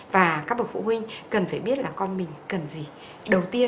và các bậc phụ huynh cần phải biết là con mình cần gì